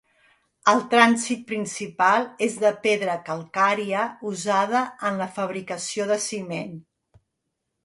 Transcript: El trànsit principal és de pedra calcària usada en la fabricació de ciment.